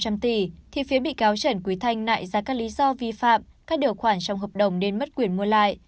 thì phía bị cáo trần quý thanh nại ra các lý do vi phạm các điều khoản trong hợp đồng nên mất quyền mua lại